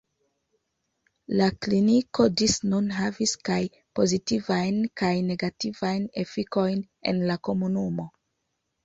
La kliniko ĝis nun havis kaj pozitivajn kaj negativajn efikojn en la komunumo.